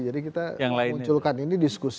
jadi kita munculkan ini diskusi